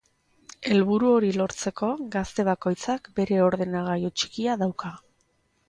Helburu hori lortzeko, gazte bakoitzak bere ordenagailu txikia dauka.